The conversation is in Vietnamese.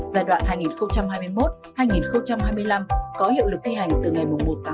giai đoạn hai nghìn hai mươi một hai nghìn hai mươi năm có hiệu lực thi hành từ ngày một sáu hai nghìn hai mươi ba